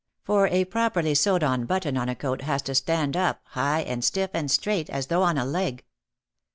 For a properly sewed on button on a coat has to stand up high and stiff and straight as though on a leg.